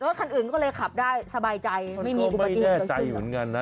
คันอื่นก็เลยขับได้สบายใจไม่มีอุบัติเหตุเหมือนกันนะ